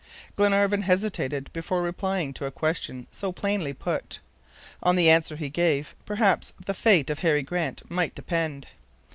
Glenarvan hesitated before replying to a question so plainly put. On the answer he gave, perhaps the fate of Harry Grant might depend!